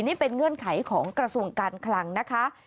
นี่เป็นเงื่อนไขของกระทรวงการคลังนะคะ